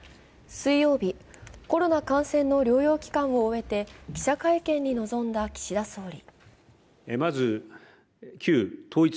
水曜日、コロナ感染の療養期間を終えて記者会見に臨んだ岸田総理。